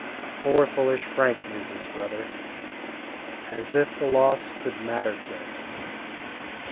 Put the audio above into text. "Poor, foolish Frank," mused his brother, "as if the loss could matter to him."